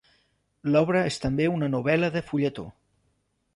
L'obra és també una novel·la de fulletó.